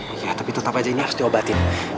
oke tapi tetap aja ini harus diobatin